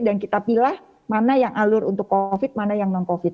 dan kita pilih mana yang alur untuk covid mana yang non covid